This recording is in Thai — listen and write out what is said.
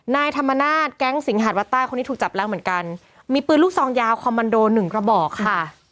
นายธรรมนาศแก๊งสิงหาดวัดใต้คนนี้ถูกจับแล้วเหมือนกันมีปืนลูกซองยาวคอมมันโดหนึ่งกระบอกค่ะ